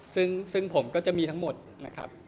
ซึ่งผมก็จะมีทั้งหมดนะครับ